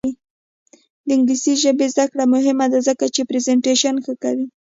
د انګلیسي ژبې زده کړه مهمه ده ځکه چې پریزنټیشن ښه کوي.